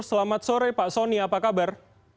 selamat sore pak soni apa kabar